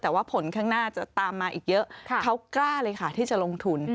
แต่ว่าผลข้างหน้าจะตามมาอีกเยอะเขากล้าเลยค่ะที่จะลงทุน